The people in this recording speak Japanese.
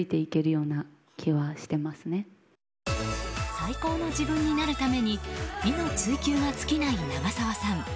最高の自分になるために美の追求が尽きない長澤さん。